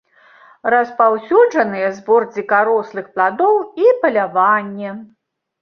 Распаўсюджаныя збор дзікарослых пладоў і паляванне.